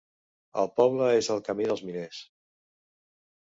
El poble és al Camí dels Miners.